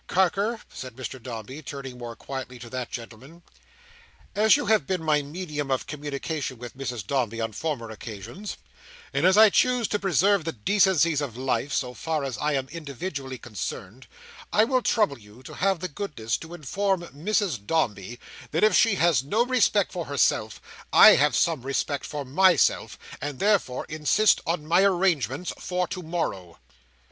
"Carker," said Mr Dombey, turning more quietly to that gentleman, "as you have been my medium of communication with Mrs Dombey on former occasions, and as I choose to preserve the decencies of life, so far as I am individually concerned, I will trouble you to have the goodness to inform Mrs Dombey that if she has no respect for herself, I have some respect for myself, and therefore insist on my arrangements for to morrow."